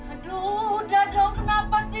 aduh udah dong kenapa sih